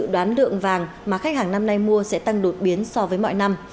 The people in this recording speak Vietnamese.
đoán lượng vàng mà khách hàng năm nay mua sẽ tăng đột biến so với mọi năm